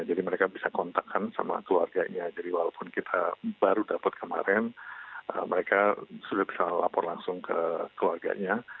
jadi mereka bisa kontakkan sama keluarganya jadi walaupun kita baru dapat kemarin mereka sudah bisa lapor langsung ke keluarganya